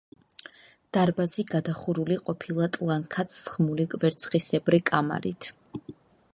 დარბაზი გადახურული ყოფილა ტლანქად სხმული კვერცხისებრი კამარით.